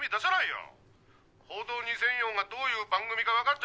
『報道２００４』がどういう番組か分かってんの！？